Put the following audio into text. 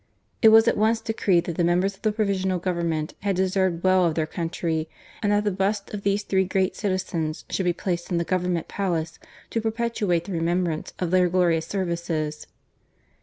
It was at once decreed that the members of the Provisional Government had deserved well of their country, and that the busts of these three great citizens should be placed in the Government Palace to perpetuate the remem brance of their glorious services.